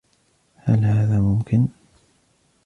هل هذا ممكن ؟